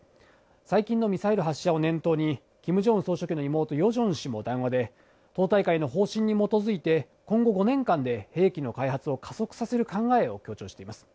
最近のミサイル発射を念頭に、キム・ジョンウン総書記の妹、ヨジョン氏も談話で、党大会の方針に基づいて今後５年間で兵器の開発を加速させる考えを強調しています。